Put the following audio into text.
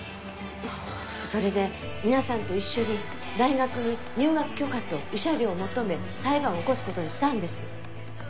それで皆さんと一緒に大学に入学許可と慰謝料を求め裁判を起こすことにしたんです。